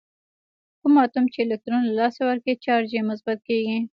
کوم اتوم چې الکترون له لاسه ورکوي چارج یې مثبت کیږي.